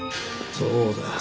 そうだよ。